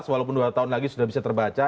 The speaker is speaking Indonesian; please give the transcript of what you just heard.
walaupun dua tahun lagi sudah bisa terbaca